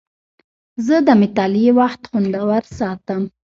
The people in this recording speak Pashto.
زه د مطالعې وخت خوندور ساتم.